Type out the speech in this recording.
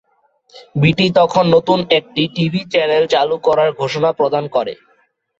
বিটি তখন নতুন একটি টিভি চ্যানেল চালু করার ঘোষণা প্রদান করে।